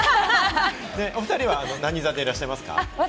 おふたりは何座でいらっしゃいますか？